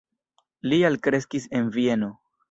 Li alkreskis en Vieno.